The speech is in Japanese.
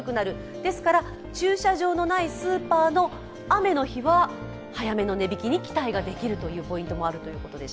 ですから、駐車場のないスーパーの雨の日は早めの値引きに期待できるというポイントがあるということです。